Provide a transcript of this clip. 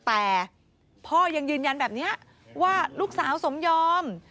แต่พ่อยังยืนยันแบบนี้ว่าลูกสาวสมยอม